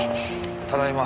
ただいま。